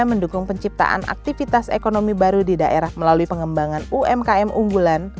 dan mendukung penciptaan aktivitas ekonomi baru di daerah melalui pengembangan umkm unggulan